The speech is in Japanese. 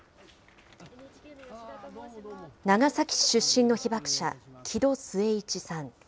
長崎市出身の被爆者、木戸季市さん。